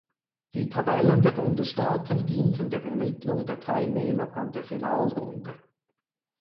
Die Tabellen der Bundesstaaten dienten der Ermittlung der Teilnehmer an der Finalrunde.